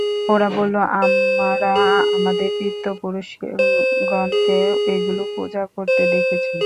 ওরা বলল, আমরা আমাদের পিতৃ-পুরুষগণকে এগুলোর পূজা করতে দেখেছি।